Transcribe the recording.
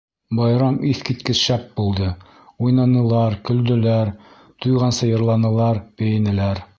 Байрам иҫ киткес шәп булды, уйнанылар, көлдөләр, туйғансы йырланылар, бейенеләр.